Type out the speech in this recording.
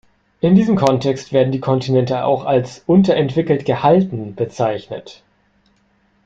In diesem Kontext werden die Kontinente auch als „unterentwickelt gehalten“ bezeichnet.